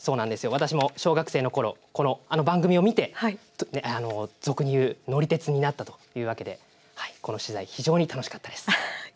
私も小学生のころあの番組を見て俗に言う、乗り鉄になったというわけでこの取材非常に楽しかったです。